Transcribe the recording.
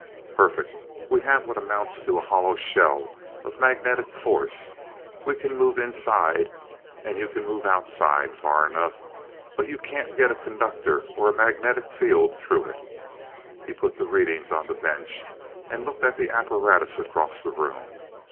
"Perfect we have what amounts to a hollow shell of magnetic force we can move inside, and you can move outside far enough. But you can't get a conductor or a magnetic field through it." He put the readings on the bench, and looked at the apparatus across the room.